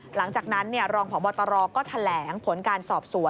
หลังจากนั้นรองพบตรก็แถลงผลการสอบสวน